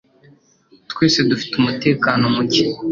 Twese dufite umutekano muke,